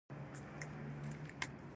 د پوهنتون ازموینې د تیاری لویه برخه جوړوي.